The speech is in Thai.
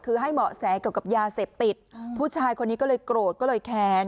คือให้เหมาะแสเกี่ยวกับยาเสพติดผู้ชายคนนี้ก็เลยโกรธก็เลยแค้น